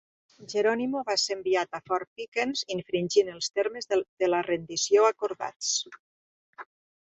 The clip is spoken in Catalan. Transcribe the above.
Geronimo va ser enviat a Fort Pickens, infringint els termes de la rendició acordats.